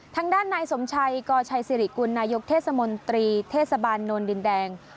ทางด้านนายสมชัยกชัยสิริกุลนายกเทศมนตรีเทศบาลโนนดินแดง